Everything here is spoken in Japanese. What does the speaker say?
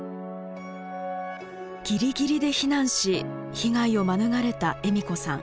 ギリギリで避難し被害を免れた栄美子さん。